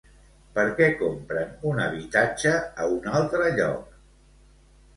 Per què compren un habitatge a un altre lloc?